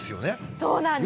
そうなんですよ。